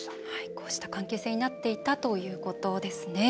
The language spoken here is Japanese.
こうした関係性になっていたということですね。